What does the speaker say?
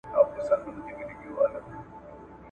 نوي جامې نه لرم زه نوي څپلۍ نه لرم ,